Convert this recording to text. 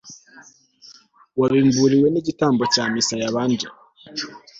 wabimburiwe n igitambo cyamisa yabanje